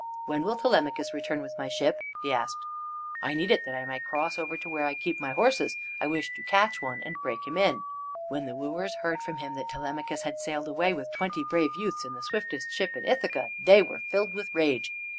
"When will Telemachus return with my ship?" he asked. "I need it that I may cross over to where I keep my horses. I wish to catch one and break him in." When the wooers heard from him that Telemachus had sailed away with twenty brave youths, in the swiftest ship in Ithaca, they were filled with rage.